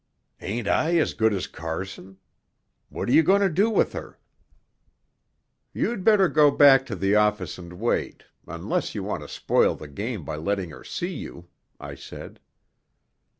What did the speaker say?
"Ain't I as good as Carson? What are you going to do with her?" "You'd better go back to the office and wait, unless you want to spoil the game by letting her see you," I said.